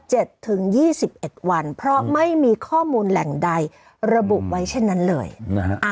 ถึงยี่สิบเอ็ดวันเพราะไม่มีข้อมูลแหล่งใดระบุไว้เช่นนั้นเลยนะฮะ